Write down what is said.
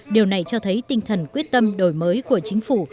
điều này cho thấy tinh thần quyết tâm đổi mới của chính phủ